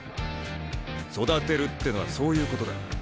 育てるってのはそういうことだ。